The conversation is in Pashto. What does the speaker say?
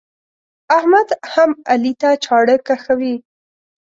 احمد هم علي ته چاړه کښوي.